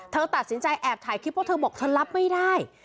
เธอตัดสินใจแอบถ่ายคลิปเพราะเธอบอกเธอรับไม่ได้